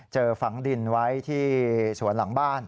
ฝังดินไว้ที่สวนหลังบ้าน